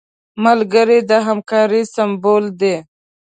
ملګری د همکارۍ سمبول دی